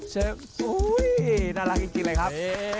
น่ารักจริงเลยครับ